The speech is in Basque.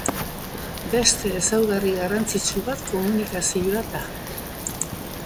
Beste ezaugarri garrantzitsu bat komunikazioa da.